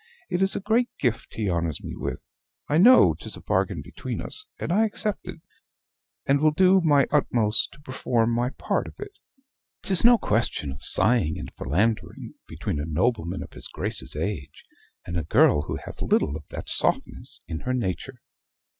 It is a great gift he honors me with; I know 'tis a bargain between us; and I accept it, and will do my utmost to perform my part of it. 'Tis no question of sighing and philandering between a noble man of his Grace's age and a girl who hath little of that softness in her nature.